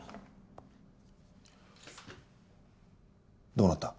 どうなった？